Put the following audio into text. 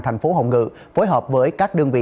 thành phố hồng ngự phối hợp với các đơn vị